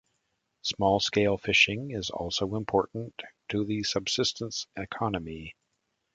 Small-scale fishing is also important to the subsistence economy.